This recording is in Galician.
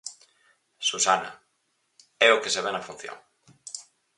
Susana: É o que se ve na función.